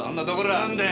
なんだよ！